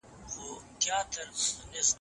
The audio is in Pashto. په تندي کي به یې وړمه تر محشره تور د میني